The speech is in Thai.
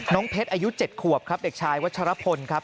เพชรอายุ๗ขวบครับเด็กชายวัชรพลครับ